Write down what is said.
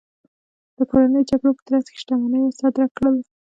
د کورنیو جګړو په ترڅ کې شتمنۍ مصادره کړل.